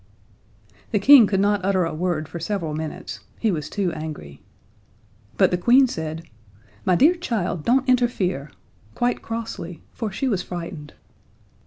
The King could not utter a word for several minutes. He was too angry. But the Queen said, "My dear child, don't interfere," quite crossly, for she was frightened.